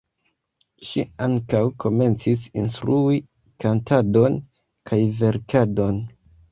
Ŝi ankaŭ komencis instrui kantadon kaj verkadon.